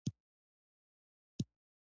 افغانستان د نمک له مخې پېژندل کېږي.